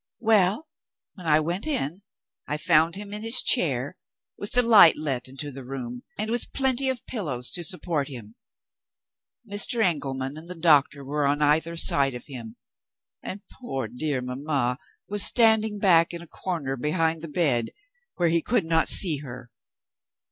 Well, when I went in, I found him in his chair, with the light let into the room, and with plenty of pillows to support him. Mr. Engelman and the doctor were on either side of him; and poor dear mamma was standing back in a corner behind the bed, where he could not see her.